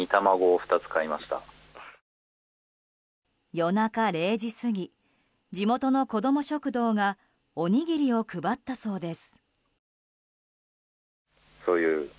夜中０時過ぎ地元の子供食堂がおにぎりを配ったそうです。